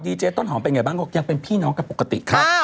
ต้นหอมเป็นยังไงบ้างก็ยังเป็นพี่น้องกับปกติ